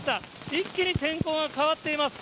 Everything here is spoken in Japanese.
一気に天候が変わっています。